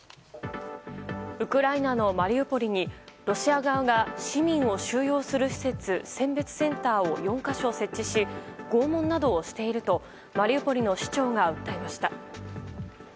ウクライナのマリウポリにロシア側が市民を収容する施設選別センターを４か所設置し拷問などをしているとマリウポリの市長が訴えました。